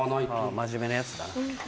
真面目なヤツだな。